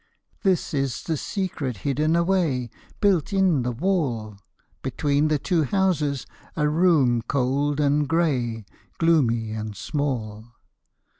This is the secret hidden away, Built in the wall — Between the two houses a room cold and grey. Gloomy and small.